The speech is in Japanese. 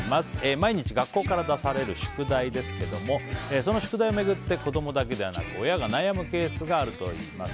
毎日学校から出される宿題ですがその宿題を巡って子供だけではなく親が悩んでいるケースがあるといいます。